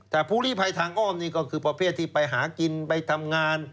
แต่ภูลีภัยทางอ้อมนี่ก็คือประเภทที่ไปหากินไปทำงาน